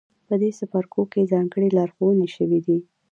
په دې څپرکو کې ځانګړې لارښوونې شوې دي.